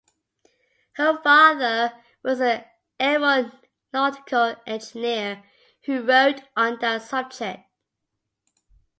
Her father was an aeronautical engineer who wrote on that subject.